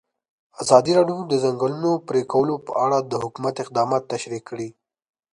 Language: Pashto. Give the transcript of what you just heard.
ازادي راډیو د د ځنګلونو پرېکول په اړه د حکومت اقدامات تشریح کړي.